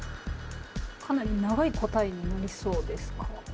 かなり長い答えになりそうですか？